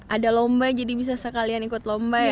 ada lomba jadi bisa sekalian ikut lomba ya